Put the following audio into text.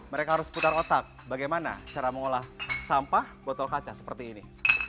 mereka harus putar otak bagaimana cara mengolah sampah botol kaca seperti ini